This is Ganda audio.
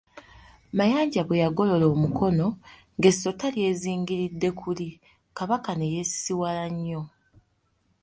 Mayanja bwe yagolola omukono ng'essota lyezingiridde kuli, Kabaka ne yeesisiwala nnyo.